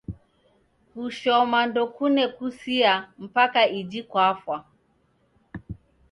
Kushoma ndokune kusia mpaka iji kwafa